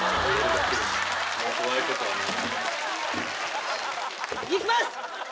もう怖いことはない。